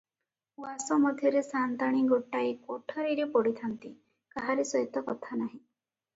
ଉଆସ ମଧ୍ୟରେ ସାଆନ୍ତାଣୀ ଗୋଟାଏ କୋଠରୀରେ ପଡ଼ିଥାନ୍ତି, କାହାରି ସହିତ କଥା ନାହିଁ ।